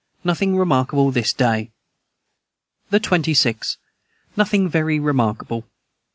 Nothing remarkable this day. the 26. Nothing very remarkable.